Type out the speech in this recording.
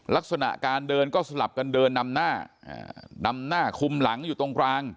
ลักษณะการเดินก็สลับกันเดินนำหน้านำหน้าคุมหลังอยู่ตรงกลาง